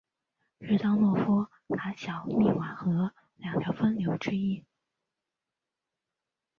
日当诺夫卡小涅瓦河两条分流之一。